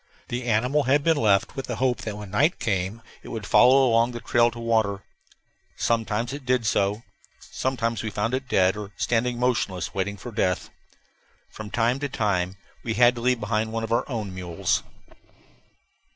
The animal had been left with the hope that when night came it would follow along the trail to water. Sometimes it did so. Sometimes we found it dead, or standing motionless waiting for death. From time to time we had to leave behind one of our own mules.